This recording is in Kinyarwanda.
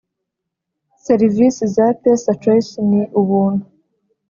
serivisi za PesaChoice ni ubuntu